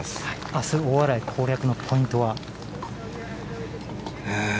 あす、大洗攻略のポイントは？